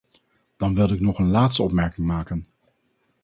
Dan wilde ik nog een laatste opmerking maken.